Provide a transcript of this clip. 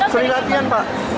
seri latihan pak